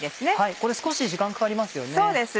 これ少し時間かかりますよね？